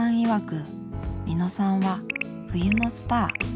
曰く三野さんは冬のスター！